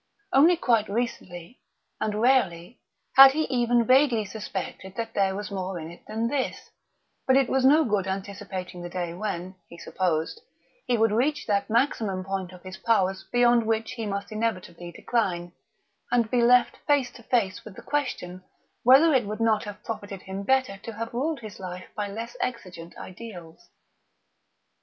Only quite recently, and rarely, had he even vaguely suspected that there was more in it than this; but it was no good anticipating the day when, he supposed, he would reach that maximum point of his powers beyond which he must inevitably decline, and be left face to face with the question whether it would not have profited him better to have ruled his life by less exigent ideals.